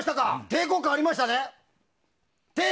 抵抗感ありましたね？